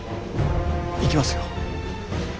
行きますよ。